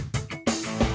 gak ada apa apa